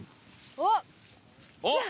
おっ。